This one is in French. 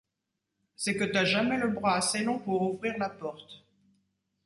c'est que t'as jamais le bras assez long pour ouvrir la porte.